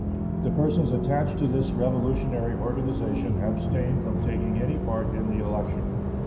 The persons attached to this revolutionary organization abstained from taking any part in the election.